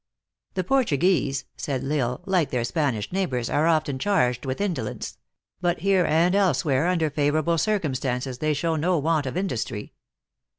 "The Portuguese," said L Isle, "like their Spanish neighbors, are often charged with indolence ; but here and elsewhere, under favorable circumstances, they show no want of industry.